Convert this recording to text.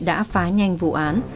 đã phá nhanh vụ án